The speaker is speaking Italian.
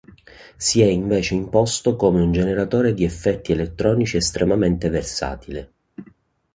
Si è invece imposto come un generatore di effetti elettronici estremamente versatile.